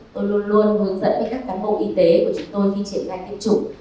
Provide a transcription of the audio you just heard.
tôi luôn luôn hướng dẫn với các cán bộ y tế của chúng tôi khi triển khai tiêm chủng